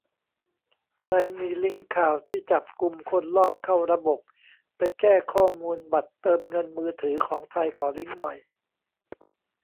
ใครมีลิงก์ข่าวที่จับกุมคนลอบเข้าระบบไปแก้ข้อมูลบัตรเติมเงินมือถือ ของไทย ขอลิงก์หน่อย